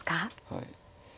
はい。